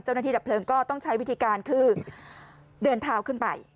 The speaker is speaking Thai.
เจ้าหน้าที่ดับเพลิงก็ต้องใช้วิธีการคือเดินเท้าขึ้นไป